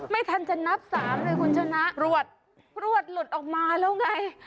ไม่ทันจะนับสามเลยคุณชนะรวดรวดหลุดออกมาแล้วไง